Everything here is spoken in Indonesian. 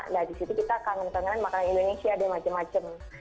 nah di situ kita kangen kangen makanan indonesia deh macem macem